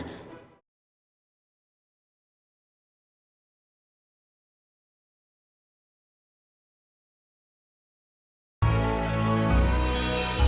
sampai jumpa lagi